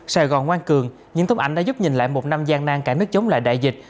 sài gòn ngoan cường những tấm ảnh đã giúp nhìn lại một năm gian nan cả nước chống lại đại dịch